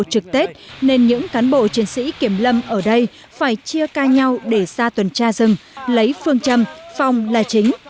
trực tết nên những cán bộ chiến sĩ kiểm lâm ở đây phải chia ca nhau để ra tuần tra rừng lấy phương châm phòng là chính